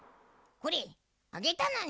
これあげたのに。